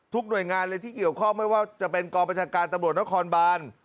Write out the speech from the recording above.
ทุกหน่วยงานเลยที่เกี่ยวข้อไม่ว่าจะเป็นกรประจักรการตำรวจและคอนบาล